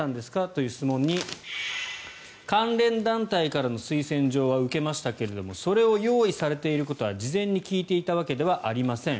という質問に関連団体からの推薦状は受けましたけどもそれを用意されていることは事前に聞いていたわけではありません。